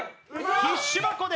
ティッシュ箱で。